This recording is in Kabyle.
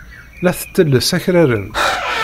La tettelles akraren.